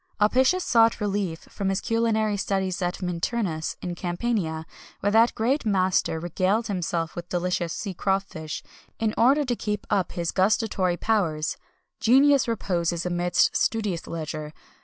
Apicius sought relief from his culinary studies at Minturnus, in Campania, where that great master regaled himself with delicious sea crawfish, in order to keep up his gustatory powers. Genius reposes amidst studious leisure.